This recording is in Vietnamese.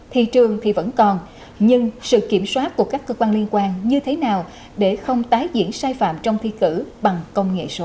thị trường thì vẫn còn nhưng sự kiểm soát của các cơ quan liên quan như thế nào để không tái diễn sai phạm trong thi cử bằng công nghệ số